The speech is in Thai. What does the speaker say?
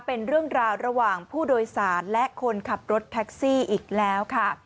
เป็นเรื่องราวระหว่างผู้โดยสารและคนขับรถแท็กซี่อีกแล้วค่ะ